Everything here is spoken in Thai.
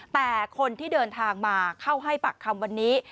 แต่คนที่เดินทางมาเข้าให้ปากคำวันนี้